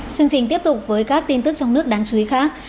chương trình tiếp tục với các tin tức trong nước đáng chú ý khác